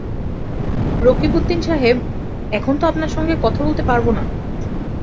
রকিবউদ্দিন সাহেব, এখন তো আপনার সঙ্গে কথা বলতে পারব না।